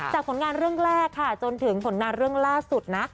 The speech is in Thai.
ผลงานเรื่องแรกค่ะจนถึงผลงานเรื่องล่าสุดนะ